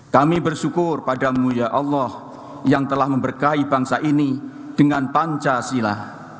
kami bersyukur padamu ya allah yang telah memberkai bangsa ini dengan pancasila